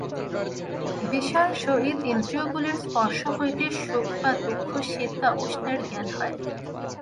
বিষয়ের সহিত ইন্দ্রিয়গুলির স্পর্শ হইতেই সুখ বা দুঃখ, শীত বা উষ্ণের জ্ঞান হয়।